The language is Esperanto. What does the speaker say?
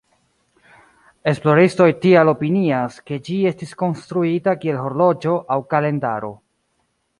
Esploristoj tial opinias, ke ĝi estis konstruita kiel horloĝo aŭ kalendaro.